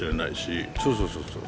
そうそうそうそう。